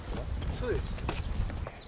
そうです。